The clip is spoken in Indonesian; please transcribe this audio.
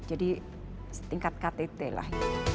jadi tingkat ktt lah